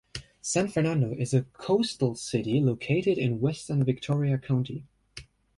San Fernando is a coastal city, located in western Victoria County.